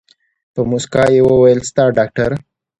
په موسکا يې وويل ستا ډاکتر.